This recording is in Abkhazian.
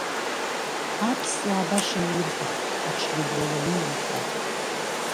Аԥсуаа баша иаурҳәах, аҽгьы жәлала иҩуеит ҳәа.